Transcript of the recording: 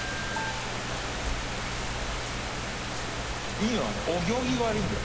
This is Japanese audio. いいのはねお行儀が悪いんだよ。